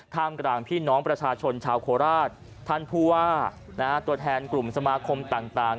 กลางพี่น้องประชาชนชาวโคราชท่านผู้ว่าตัวแทนกลุ่มสมาคมต่าง